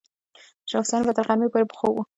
شاه حسین به تر غرمې پورې په خوب و.